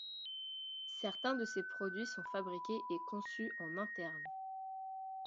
Certains de ces produits sont fabriqués et conçus en interne.